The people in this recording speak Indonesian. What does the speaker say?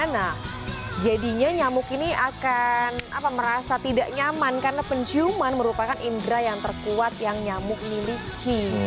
nah jadinya nyamuk ini akan merasa tidak nyaman karena penciuman merupakan indera yang terkuat yang nyamuk miliki